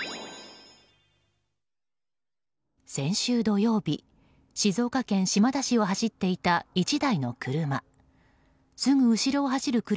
先週土曜日静岡県島田市を走っていた１台の車。